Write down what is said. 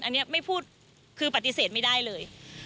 อันนี้ไม่พูดคือปฏิเสธไม่ได้เลย